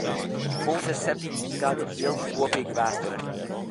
Mums ir septiņsimt gadu ilga kopīga vēsture.